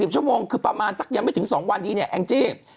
ชั่วโมงคือประมาณสักยังไม่ถึง๒วันดีเนี่ยแองจี้